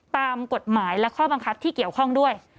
ตามกฎหมายและข้อบังคับที่เกี่ยวข้องด้วย